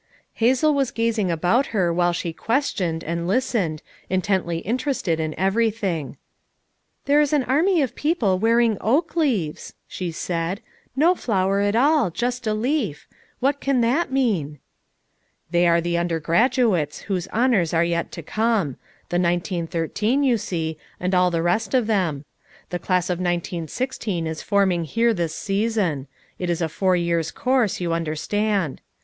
Hazel was gazing about her while she ques tioned, and listened, intensely interested in everything. "There is an army of people wearing oak leaves," she said. "No flower at all, just a leaf. What can that mean?" "They are the undergraduates, whose honors are yet to come ; the 1913 you see, and all the rest of them. The class of 1916 is forming here this season; it is a four years course, you un derstand.